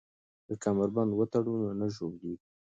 که کمربند وتړو نو نه ژوبلیږو.